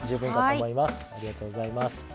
ありがとうございます。